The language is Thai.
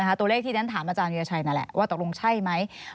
ตัวเลขที่ฉันถามอาจารวิราชัยนั่นแหละว่าตกลงใช่ไหม